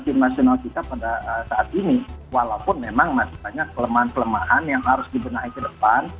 tim nasional kita pada saat ini walaupun memang masih banyak kelemahan kelemahan yang harus dibenahi ke depan